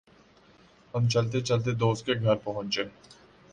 ہم چلتے چلتے دوست کے گھر پہنچے ۔